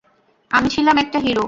আমি ছিলাম একটা হিরো।